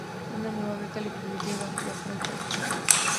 Una nueva beca le permitió viajar a Italia.